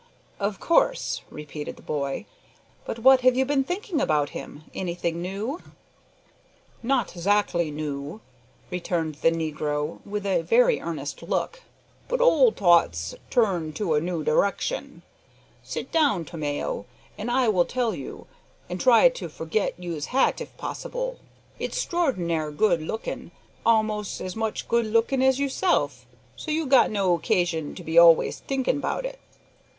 "Of course," repeated the boy, "but what have you been thinking about him anything new?" "Not zackly noo," returned the negro, with a very earnest look, "but ole t'oughts turned in a noo d'rection. Sit down, Tomeo, an' I will tell you an' try to forgit yous hat if poss'ble. It's 'xtroarnar good lookin', a'most as much good lookin' as yousself, so you got no occashin to be always t'inkin' about it."